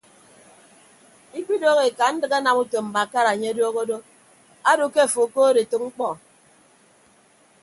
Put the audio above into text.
Ikpidoho ekandịk anam utom mbakara anye adoho do ado ke afo okood etәk mkpọ.